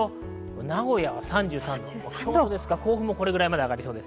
名古屋３３度、甲府もこれぐらいまで上がりそうです。